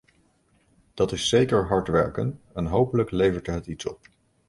Dat is zeker hard werken, en hopelijk levert het iets op.